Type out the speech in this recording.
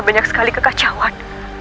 banyak sekali kekacauan